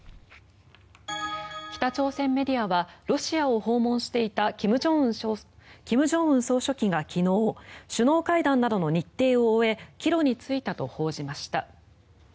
北朝鮮メディアはロシアを訪問していた金正恩総書記が昨日首脳会談などの日程を終え帰路に就いたと報じました。